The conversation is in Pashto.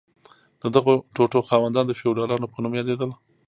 د دغو ټوټو خاوندان د فیوډالانو په نوم یادیدل.